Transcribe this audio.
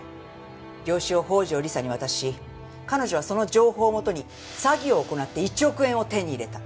用紙を宝城理沙に渡し彼女はその情報をもとに詐欺を行って１億円を手に入れた。